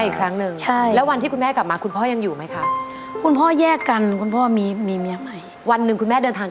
ได้เจอคุณแม่อีกครั้งหนึ่ง